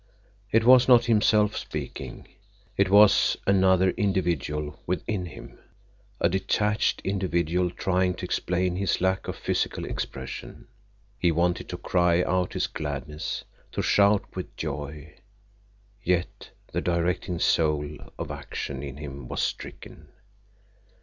It was not himself speaking. It was another individual within him, a detached individual trying to explain his lack of physical expression. He wanted to cry out his gladness, to shout with joy, yet the directing soul of action in him was stricken.